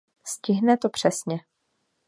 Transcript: Stihne to přesně.